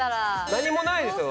何もないですよ。